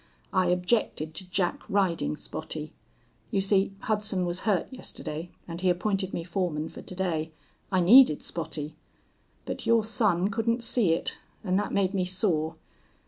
I objected to Jack riding Spottie. You see, Hudson was hurt yesterday and he appointed me foreman for to day. I needed Spottie. But your son couldn't see it, and that made me sore.